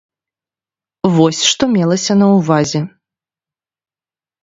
Вось што мелася на ўвазе.